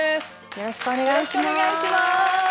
よろしくお願いします。